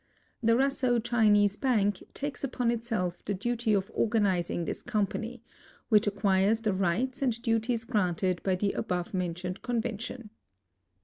The Russo Chinese Bank takes upon itself the duty of organizing this company, which acquires the rights and duties granted by the above mentioned convention.